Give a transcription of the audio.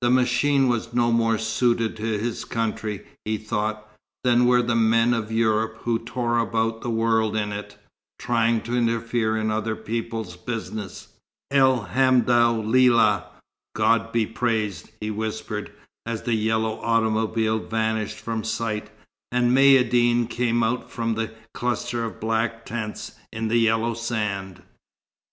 The machine was no more suited to his country, he thought, than were the men of Europe who tore about the world in it, trying to interfere in other people's business. "El hamdou lillah! God be praised!" he whispered, as the yellow automobile vanished from sight and Maïeddine came out from the cluster of black tents in the yellow sand.